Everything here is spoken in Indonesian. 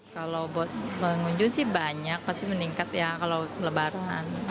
kalau buat pengunjung sih banyak pasti meningkat ya kalau lebaran